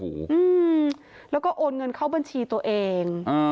อืมแล้วก็โอนเงินเข้าบัญชีตัวเองอ่า